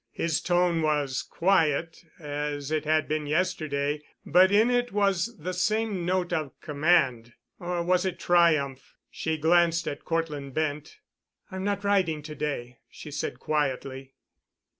His tone was quiet—as it had been yesterday—but in it was the same note of command—or was it triumph? She glanced at Cortland Bent. "I'm not riding to day," she said quietly.